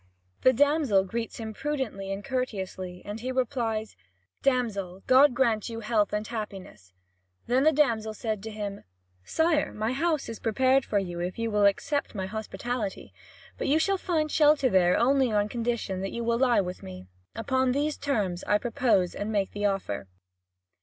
The damsel greets him prudently and courteously, and he replies: "Damsel, God grant you health and happiness." Then the damsel said to him: "Sire, my house is prepared for you, if you will accept my hospitality, but you shall find shelter there only on condition that you will lie with me; upon these terms I propose and make the offer."